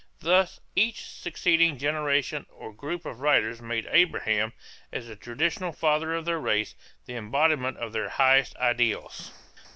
Thus each succeeding generation or group of writers made Abraham, as the traditional father of their race, the embodiment of their highest ideals.